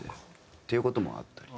っていう事もあったり。